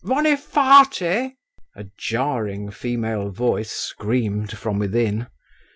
"Vonifaty!" a jarring female voice screamed from within.